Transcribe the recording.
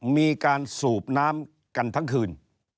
มีการสูบน้ำกันทั้งคืน